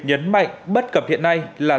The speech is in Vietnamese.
nhấn mạnh bất cập hiện nay là